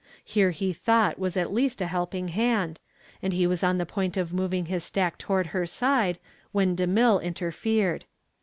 Here he thought was at least a helping hand, and he was on the point of moving his stack toward her side when DeMille interfered.